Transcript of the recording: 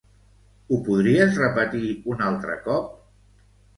Ho podries repetir un altre cop?